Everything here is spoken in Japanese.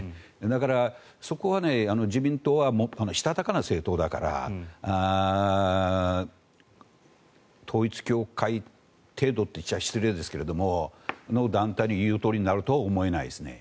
だからそこは自民党はしたたかな政党だから統一教会程度と言っては失礼ですがその団体の言うとおりになるとは思えないですね。